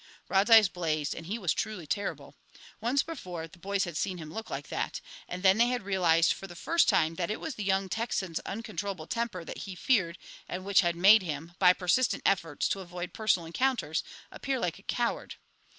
Rod's eyes blazed and he was truly terrible. Once before the boys had seen him look like that, and then they had realized for the first time that it was the young Texan's uncontrollable temper that he feared and which had made him, by persistent efforts to avoid personal encounters, appear like a coward.